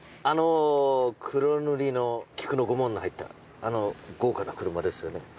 あの黒塗りの菊の御紋の入ったあの豪華な車ですよね？